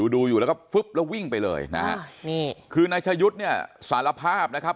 ดูอยู่แล้วก็ฟึ๊บแล้ววิ่งไปเลยนะฮะนี่คือนายชะยุทธ์เนี่ยสารภาพนะครับ